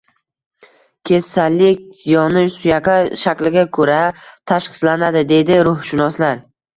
Kesalik ziyoni suyaklar shakliga ko’ra tashxislanadi, deydi ruhshunoslar.